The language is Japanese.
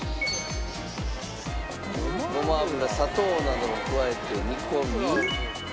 ごま油砂糖などを加えて煮込み。